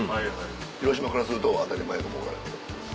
広島からすると当たり前かも分からんけど。